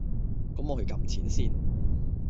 咁我去㩒錢先